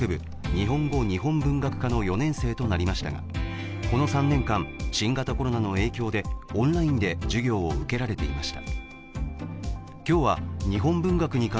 日本語日本文学科の４年生となりましたがこの３年間、新型コロナの影響でオンラインで授業を受けられていました。